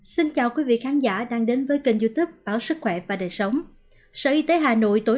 xin chào quý vị khán giả đang đến với kênh youtube báo sức khỏe và đời sống sở y tế hà nội tối